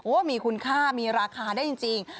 มีคุณค่ามีราคาได้จริง